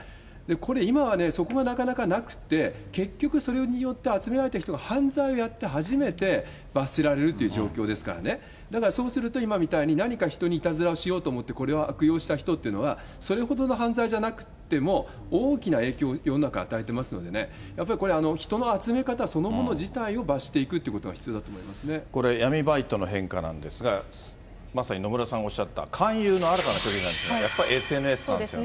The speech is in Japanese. これ、今はね、そこがなかなかなくて、結局それによって集められた人が犯罪をやって初めて、罰せられるという状況ですからね、だからそうすると、今みたいに、何か人にいたずらをしようと思って、これを悪用した人っていうのは、それほどの犯罪じゃなくっても、大きな影響を世の中に与えてますので、やっぱりこれ、人の集め方そのもの自体を罰していくということが必要だと思いまこれ、闇バイトの変化なんですが、まさに野村さんがおっしゃった、勧誘の新たな手口、やっぱりＳＮＳですよね。